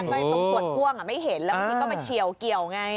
แล้วก็ตรงส่วนฟ่วงไม่เห็นแล้วบางทีก็เฉียวไง